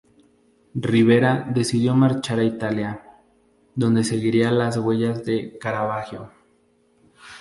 Ribera decidió marchar a Italia, donde seguiría las huellas de Caravaggio.